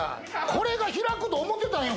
これが開くと思ってたんや。